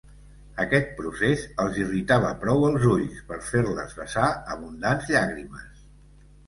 Aquest procés els irritava prou els ulls per fer-les vessar abundants llàgrimes.